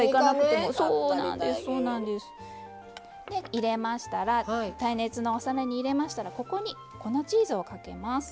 耐熱のお皿に入れましたらここに粉チーズをかけます。